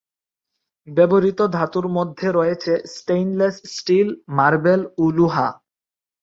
ব্যবহৃত ধাতুর মধ্যে রয়েছে স্টেইনলেস স্টিল, মার্বেল ও লোহা।